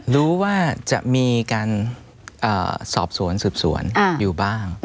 รู้ว่าจะมีการสอบสวนสืบสวนอยู่บ้าง